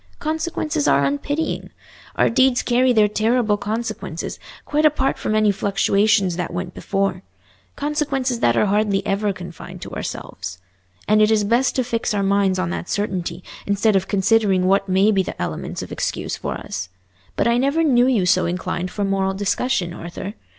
Consequences are unpitying. Our deeds carry their terrible consequences, quite apart from any fluctuations that went before—consequences that are hardly ever confined to ourselves. And it is best to fix our minds on that certainty, instead of considering what may be the elements of excuse for us. But I never knew you so inclined for moral discussion, Arthur?